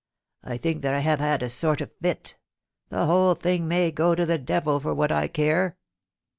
I think that I have had a sort of fit The whole thing may go to the devil, for what I care